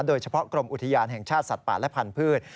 โดยเฉพาะกรมอุทยานแห่งชาติสัตว์ป่าและพันธุ์